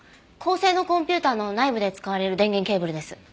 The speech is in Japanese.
高性能コンピューターの内部で使われる電源ケーブルです。